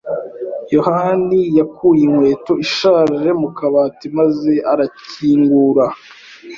yohani yakuye inkweto ishaje mu kabati maze arakingura.